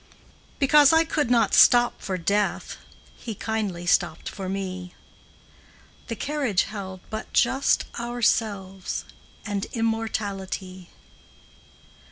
Because I could not stop for Death, He kindly stopped for me; The carriage held but just ourselves And Immortality.